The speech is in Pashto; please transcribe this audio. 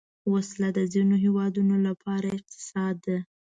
وسله د ځینو هیوادونو لپاره اقتصاد ده